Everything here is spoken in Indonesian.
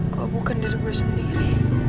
kalau bukan diri gue sendiri